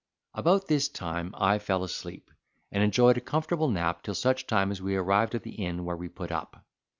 About this time I fell asleep, and enjoyed a comfortable nap till such time as we arrived at the inn where we put up.